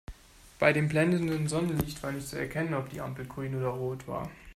Bei dem blendenden Sonnenlicht war nicht zu erkennen, ob die Ampel grün oder rot war.